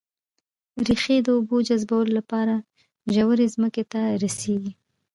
ريښې د اوبو جذبولو لپاره ژورې ځمکې ته رسېږي